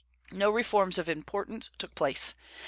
No reforms of importance took place.